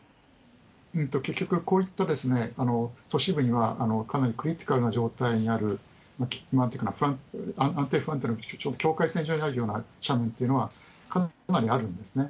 結局、こういった都市部には、かなりクリティカルな状態にある、安定不安定の境界線上にあるような斜面というのは、かなりあるんですね。